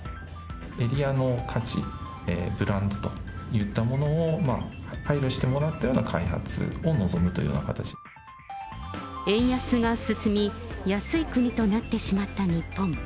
エリアの価値、ブランドといったものを配慮してもらったような開発を望むという円安が進み、安い国となってしまった日本。